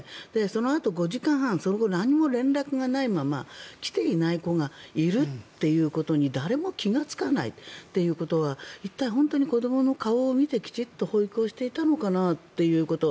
そのあと、５時間半その後何も連絡がないまま来ていない子がいるということに誰も気がつかないということは一体、本当に子どもの顔を見てきちっと保育をしていたのかなということ。